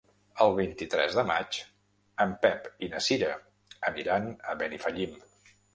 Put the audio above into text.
El vint-i-tres de maig en Pep i na Cira aniran a Benifallim.